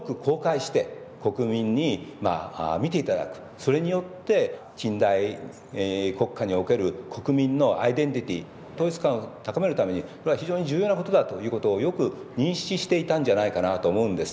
それによって近代国家における国民のアイデンティティー統一感を高めるためにこれは非常に重要なことだということをよく認識していたんじゃないかなと思うんです。